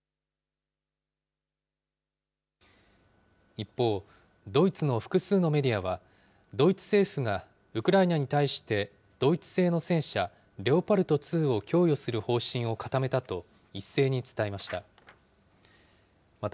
一方、ドイツの複数のメディアは、ドイツ政府がウクライナに対して、ドイツ製の戦車、レオパルト２を供与する方針を固めたと、一斉に伝えました。